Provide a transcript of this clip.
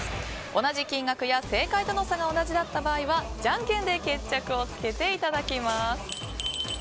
同じ金額や正解との差が同じだった場合はじゃんけんで決着をつけていただきます。